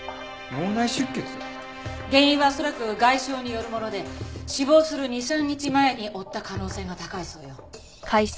原因は恐らく外傷によるもので死亡する２３日前に負った可能性が高いそうよ。